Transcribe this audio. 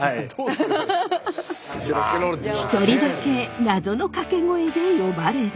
一人だけ謎の掛け声で呼ばれる。